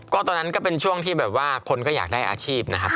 ตอนนั้นก็เป็นช่วงที่แบบว่าคนก็อยากได้อาชีพนะครับ